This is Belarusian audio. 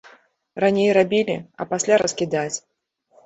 Раней рабілі, а пасля раскідаць.